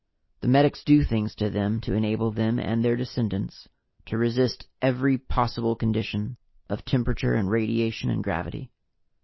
The medics do things to them to enable them and their descendants to resist every possible condition of temperature and radiation and gravity.